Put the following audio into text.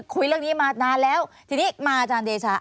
คุยเรื่องนี้มานานแล้วทีนี้มาอาจารย์เดชา